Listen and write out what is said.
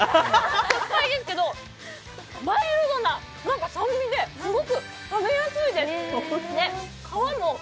酸っぱいですけどマイルドな酸味ですごく食べやすいです。